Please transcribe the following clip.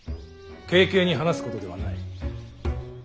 軽々に話すことではない。